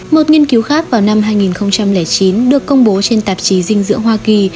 một nghiên cứu khác vào năm hai nghìn chín được công bố trên tạp chí dinh dưỡng hoa kỳ